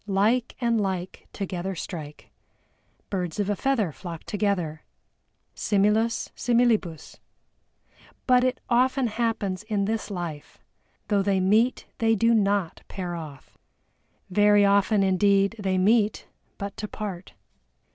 Like and like together strike. Birds of a feather flock together. Similis similibus. But it often happens in this life, though they meet they do not pair off. Very often indeed they meet, but to part.